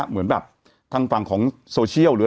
แต่หนูจะเอากับน้องเขามาแต่ว่า